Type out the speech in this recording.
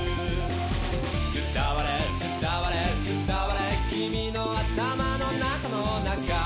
「伝われ伝われ伝われ君の頭の中の中」